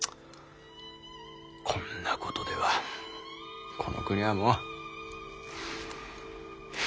こんなことではこの国はもう。